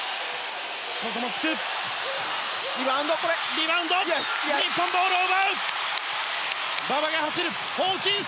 リバウンド日本ボールを奪う。